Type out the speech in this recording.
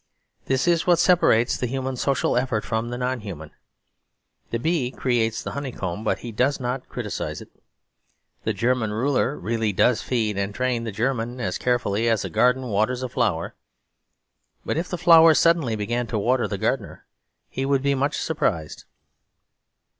This is what separates the human social effort from the non human; the bee creates the honey comb, but he does not criticise it. The German ruler really does feed and train the German as carefully as a gardener waters a flower. But if the flower suddenly began to water the gardener, he would be much surprised.